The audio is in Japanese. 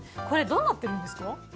これどうなってるんですか？